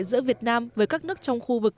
giữa việt nam với các nước trong khu vực